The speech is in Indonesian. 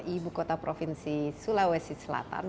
ibu kota provinsi sulawesi selatan